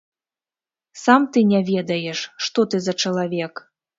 Сам ты не ведаеш, што ты за чалавек.